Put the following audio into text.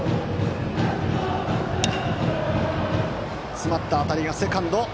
詰まった当たり、セカンドへ。